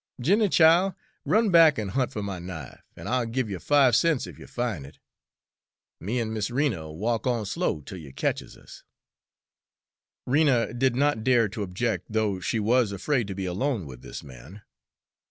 Jinny, chile, run back an' hunt fer my knife, an' I'll give yer five cents ef yer find it. Me an' Miss Rena'll walk on slow 'tel you ketches us." Rena did not dare to object, though she was afraid to be alone with this man.